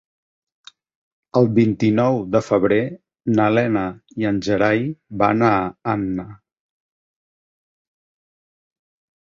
El vint-i-nou de febrer na Lena i en Gerai van a Anna.